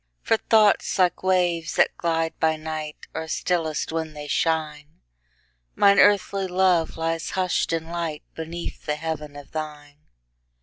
For thoughts, like waves that glide by night, Are stillest when they shine; Mine earthly love lies hush'd in lightBeneath the heaven of thine.